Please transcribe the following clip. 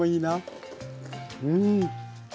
うん。